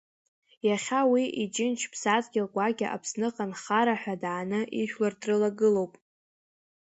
Иахьа уи иџьынџь-ԥсадгьыл гәакьа Аԥсныҟа нхара ҳәа дааны, ижәлар дрылагылоуп.